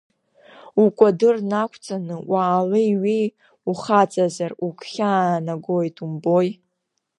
Укәадыр нақәҵаны, уаалеи-ҩеи ухаҵазар, угәхьаа-нагоит умбои!